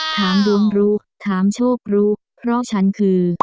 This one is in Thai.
ถามดวงรู้ถามโชครู้เพราะฉันคือ